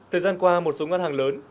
thời gian qua một số ngân hàng lớn